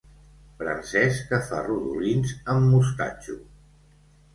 Francès que fa rodolins amb mostatxo.